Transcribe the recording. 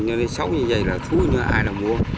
nó nặng nề